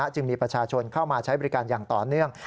จึงมีประชาชนเข้ามาใช้บริการอย่างต่อเนื่อง